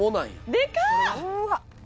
でかっ！